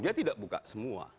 dia tidak buka semua